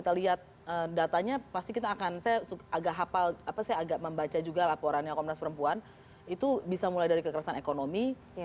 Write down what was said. jadi datanya pasti kita akan saya agak hafal apa saya agak membaca juga laporannya komnas perempuan itu bisa mulai dari kekerasan ekonomi